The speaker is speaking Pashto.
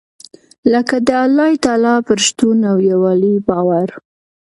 لکه د الله تعالٰی پر شتون او يووالي باور .